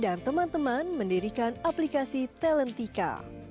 dan teman teman mendirikan aplikasi talentika